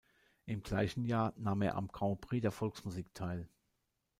Im gleichen Jahr nahm er am Grand Prix der Volksmusik teil.